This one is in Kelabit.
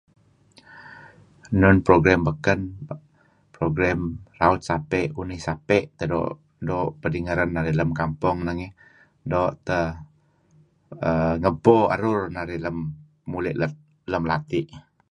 Nun program beken, program raut sape' unih sape' teh doo' pedingeren narih lem kampong nangey doo' teh err ngebpo erur narih lem muli' let lem lati'.